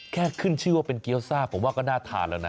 แค่ขึ้นชื่อว่าเป็นเกี้ยวซ่าผมว่าก็น่าทานแล้วนะ